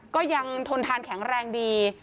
ก็ยังทนทานแข็งแรงดี